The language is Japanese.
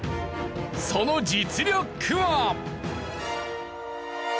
その実力は！？